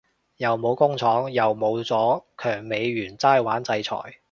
又冇工廠又冇咗強美元齋玩制裁